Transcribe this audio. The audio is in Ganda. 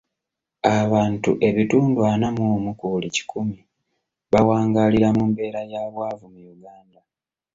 Abantu ebitundu ana mu omu ku buli kikumi bawangaalira mu mbeera ya bwavu mu Uganda.